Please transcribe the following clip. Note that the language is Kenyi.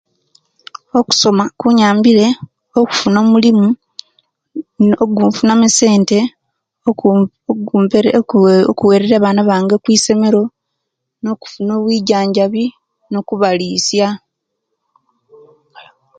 Okusoma kunyambire okufuna omulimu no ogwefunamu esente ogu ogu okuwereria abana bange kwisomero no kufuna obwijanjabi no okubalisia